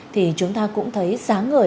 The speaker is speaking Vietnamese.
thì chúng ta cũng thấy sáng ngời